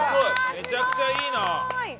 めちゃくちゃいいな！